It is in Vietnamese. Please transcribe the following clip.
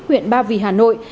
huyện ba vì hà nội